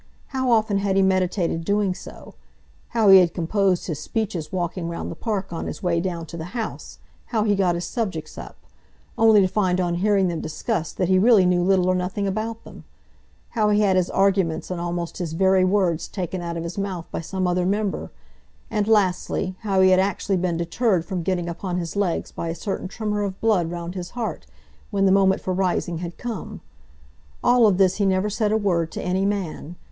How often had he meditated doing so; how he had composed his speeches walking round the Park on his way down to the House; how he got his subjects up, only to find on hearing them discussed that he really knew little or nothing about them; how he had his arguments and almost his very words taken out of his mouth by some other member; and lastly, how he had actually been deterred from getting upon his legs by a certain tremor of blood round his heart when the moment for rising had come, of all this he never said a word to any man.